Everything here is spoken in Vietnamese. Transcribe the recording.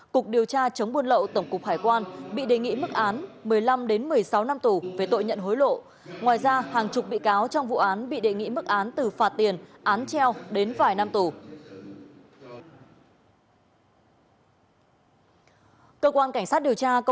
cục điều tra chống buôn lậu tổng cục hải quan bị đề nghị mức án một mươi năm đến một mươi sáu năm tù với tội nhận hối lộ